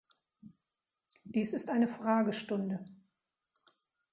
Dies ist eine Fragestunde.